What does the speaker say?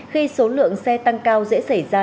khi số lượng xe tăng cao dễ xảy ra